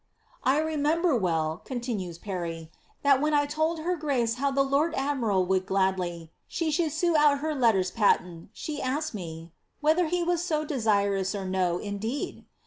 "'*^ I remember well," continues Parry, ^ tliat when 1 told her grace how tliat the lord admiral would gladly, she should sue out her ^ letters patents,' she asked me, ^ whether be were so desirous or no, indeed